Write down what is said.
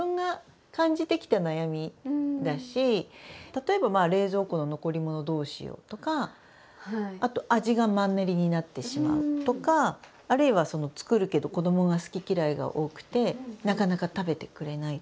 例えば冷蔵庫の残り物どうしようとかあと味がマンネリになってしまうとかあるいは作るけど子どもが好き嫌いが多くてなかなか食べてくれないとか。